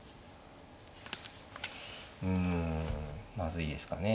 うんまずいですかね。